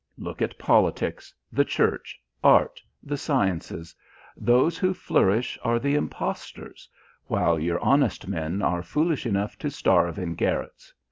Look at politics, the Church, art, the sciences those who flourish are the imposters, while your honest men are foolish enough to starve in garrets.